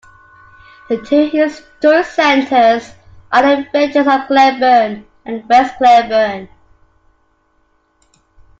The two historic centers are the villages of Glenburn and West Glenburn.